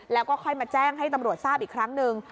แล้วก็ค่อยมาแจ้งให้ตำรวจทราบอีกครั้งหนึ่ง